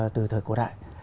từ thời cổ đại